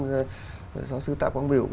giáo sư tạ quang biểu